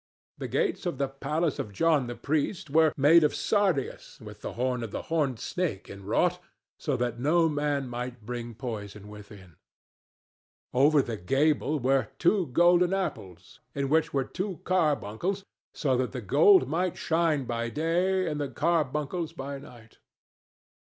The gates of the palace of John the Priest were "made of sardius, with the horn of the horned snake inwrought, so that no man might bring poison within." Over the gable were "two golden apples, in which were two carbuncles," so that the gold might shine by day and the carbuncles by night.